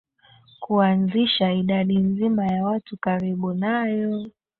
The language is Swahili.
kuanzisha idadi nzima ya watu karibu nayo